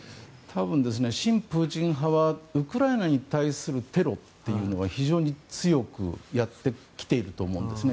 多分、親プーチン派はウクライナに対するテロというのは非常に強くやってきていると思うんですね。